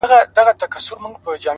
• له پردي وطنه ځمه لټوم کور د خپلوانو,